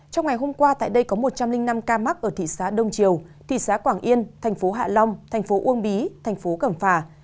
trong ngày hôm qua tại đây có một trăm linh năm ca mắc ở thị xá đông triều thị xá quảng yên thành phố hạ long thành phố uông bí thành phố cầm phà